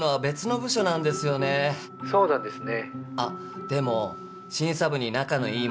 そうなんですね。